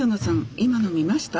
今の見ました？